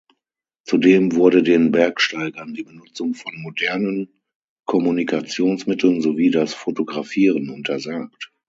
Zudem wurde den Bergsteigern die Benutzung von modernen Kommunikationsmitteln sowie das Fotografieren untersagt.